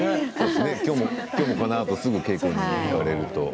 今日もこのあとすぐに稽古に行かれると。